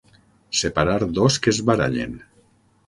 Separar dos que es barallen.